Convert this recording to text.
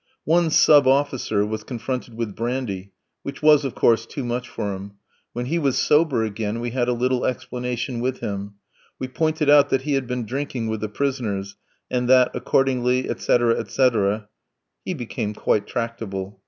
One sub officer was confronted with brandy, which was of course too much for him; when he was sober again we had a little explanation with him; we pointed out that he had been drinking with the prisoners, and that, accordingly, etc. etc.; he became quite tractable.